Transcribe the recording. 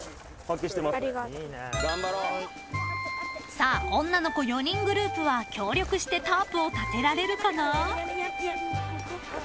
［さあ女の子４人グループは協力してタープを建てられるかな？］